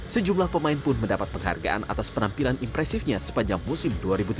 sejumlah pemain pun mendapat penghargaan atas penampilan impresifnya sepanjang musim dua ribu tujuh belas